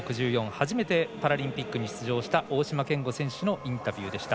初めてパラリンピックに出場した大島健吾選手のインタビューでした。